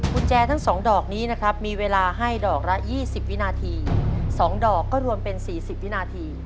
กุญแจทั้ง๒ดอกนี้นะครับมีเวลาให้ดอกละ๒๐วินาที๒ดอกก็รวมเป็น๔๐วินาที